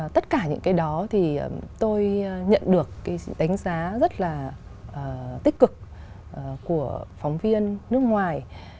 tất cả những cái đó thì tôi nhận được cái đánh giá rất là tích cực của phóng viên nước ngoài